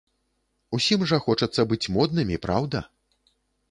Усім жа хочацца быць моднымі, праўда?